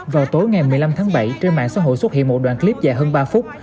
vào tối ngày một mươi năm tháng bảy trên mạng xã hội xuất hiện một đoạn clip dài hơn ba phút